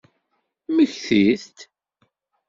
Mmektit-d!